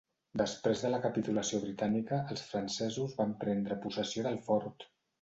Després de la capitulació britànica, els francesos van prendre possessió del fort.